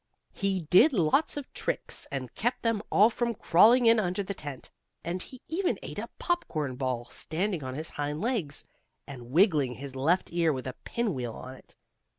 And he did lots of tricks and kept them all from crawling in under the tent, and he even ate a popcorn ball, standing on his hind legs, and wiggling his left ear with a pin wheel on it.